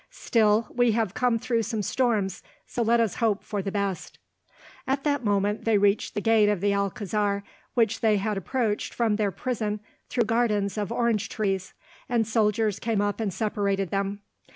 "Still, we have come through some storms, so let us hope for the best." At that moment they reached the gate of the Alcazar, which they had approached from their prison through gardens of orange trees, and soldiers came up and separated them.